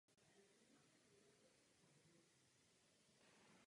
Usídlil se na hradě Clifford na řece Wye.